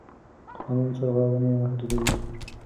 قانون سرغړونې محدودوي.